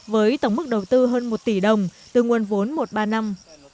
với tổng mức đầu tư hơn một tỷ đồng từ nguồn vốn một ba năm